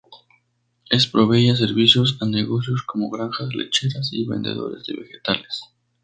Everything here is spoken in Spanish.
Él proveía servicios a negocios como granjas lecheras y vendedores de vegetales.